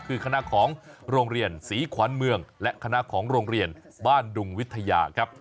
คือคณะของโรงเรียนศรีขวัญเมืองและคณะของโรงเรียนบ้านดุงวิทยาครับ